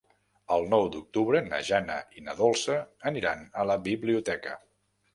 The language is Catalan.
El nou d'octubre na Jana i na Dolça aniran a la biblioteca.